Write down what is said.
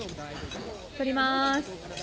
撮ります。